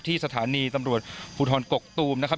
ที่สถานีตำรวจพพกกตูมนะครับ